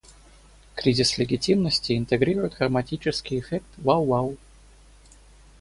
Кризис легитимности интегрирует хроматический эффект "вау-вау".